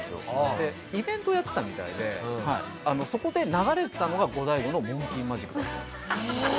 でイベントをやってたみたいでそこで流れてたのがゴダイゴの『モンキー・マジック』だったんです。